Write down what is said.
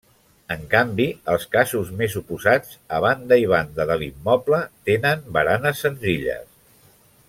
En canvi, els casos més oposats, a banda i banda de l'immoble, tenen baranes senzilles.